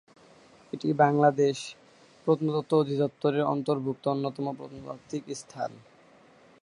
এটি বাংলাদেশ প্রত্নতত্ত্ব অধিদপ্তরের অন্তর্ভুক্ত অন্যতম প্রত্নতাত্ত্বিক স্থান।